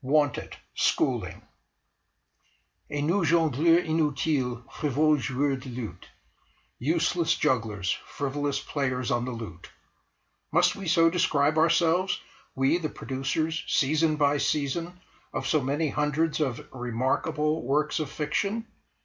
WANTED SCHOOLING "Et nous jongleurs inutiles, frivoles joueurs de luth!". .. Useless jugglers, frivolous players on the lute! Must we so describe ourselves, we, the producers, season by season, of so many hundreds of "remarkable" works of fiction?